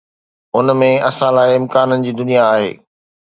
ان ۾ اسان لاءِ امڪانن جي دنيا آهي.